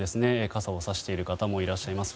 傘をさしている方もいらっしゃいます。